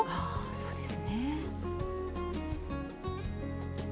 そうですね。